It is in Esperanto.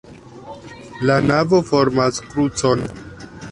La navo formas krucon.